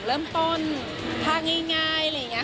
เริ่มต้นถ้าง่ายอะไรอย่างนี้